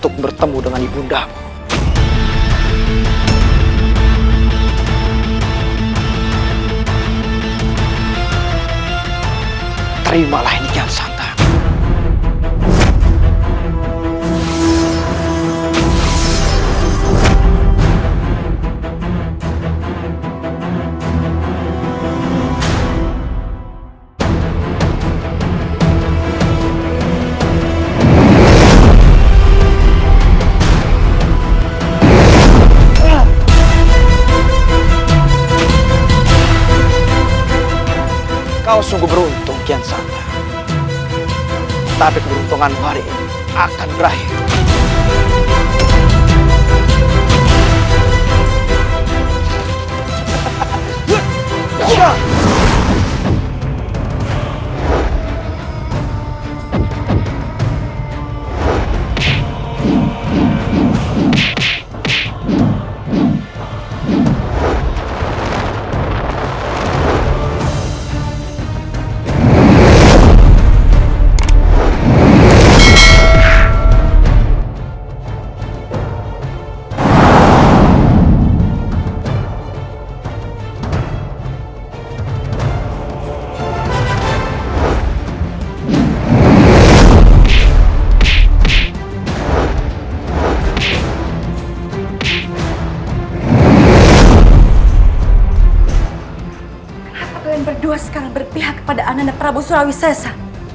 kenapa kalian berdua sekarang berpihak kepada ananda prabu surawi sesa